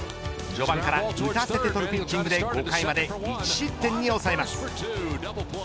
序盤から打たせて取るピッチングで５回まで１失点に抑えます。